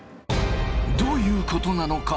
どういうことなのか。